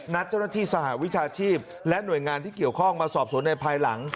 เจ้าหน้าที่สหวิชาชีพและหน่วยงานที่เกี่ยวข้องมาสอบสวนในภายหลัง